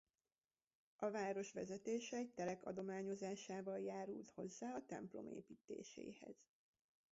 A város vezetése egy telek adományozásával járult hozzá a templom építéséhez.